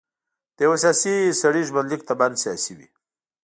د یوه سیاسي سړي ژوندلیک طبعاً سیاسي وي.